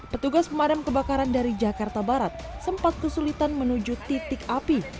petugas pemadam kebakaran dari jakarta barat sempat kesulitan menuju titik api